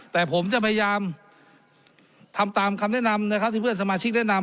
แต่ผมจะพยายามทำตามคำแนะนำนะครับที่เพื่อนสมาชิกแนะนำ